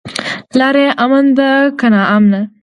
لاره يې امن ده که ناامنه؟